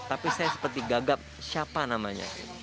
tapi saya seperti gagap siapa namanya